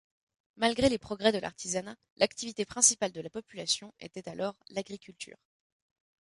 Malgré les progrès de l'artisanat, l'activité principale de la population était alors l'agriculture.